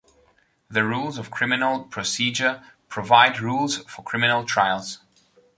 The rules of criminal procedure provide rules for criminal trials.